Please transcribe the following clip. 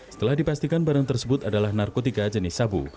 setelah dipastikan barang tersebut adalah narkotika jenis sabu